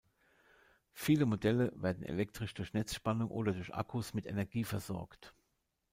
Viele Modelle werden elektrisch durch Netzspannung oder durch Akkus mit Energie versorgt.